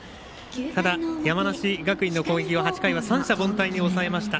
ただ、山梨学院の攻撃を８回は三者凡退に抑えました。